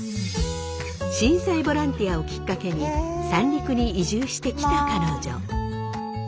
震災ボランティアをきっかけに三陸に移住してきた彼女。